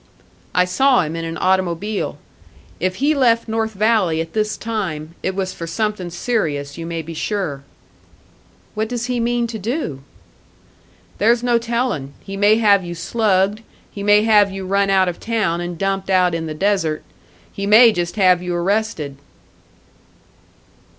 "I saw him in an automobile. If he left North Valley at this time, it was for something serious, you may be sure." "What does he mean to do?" "There's no telling. He may have you slugged; he may have you run out of town and dumped out in the desert; he may just have you arrested."